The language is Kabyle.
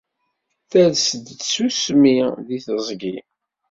Ters-d tsusmi di teẓgi